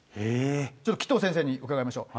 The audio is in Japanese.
ちょっと紀藤先生に伺いましょう。